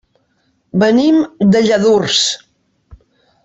Venim de Lladurs.